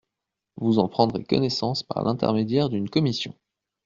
Vous en prendrez connaissance par l'intermédiaire d'une commission.